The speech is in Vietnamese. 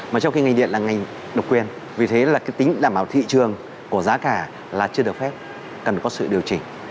mà trong khi ngành điện là ngành độc quyền vì thế là cái tính đảm bảo thị trường của giá cả là chưa được phép cần có sự điều chỉnh